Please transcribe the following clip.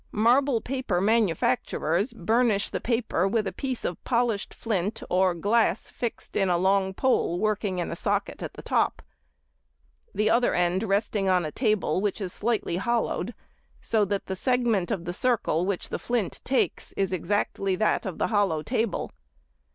Marble paper manufacturers burnish the paper with a piece of polished flint or glass fixed in a long pole working in a socket at the top, the other end resting on a table which is slightly hollowed, so that the segment of the circle which the flint takes is exactly that of the hollow table.